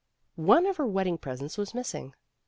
One of her wedding presents was missing.